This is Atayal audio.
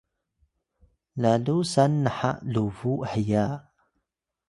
lalu san naha lubuw heya?